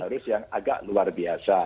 arus yang agak luar biasa